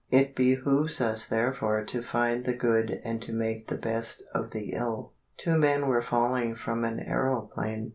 It behooves us therefore to find the good and to make the best of the ill. Two men were falling from an aeroplane.